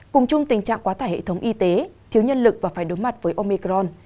cùng chung tình trạng quá tải hệ thống y tế thiếu nhân lực và phải đối mặt với omicron